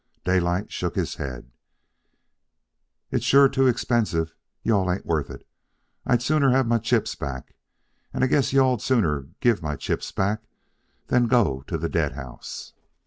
Daylight shook his head. "It's sure too expensive. You all ain't worth it. I'd sooner have my chips back. And I guess you all'd sooner give my chips back than go to the dead house."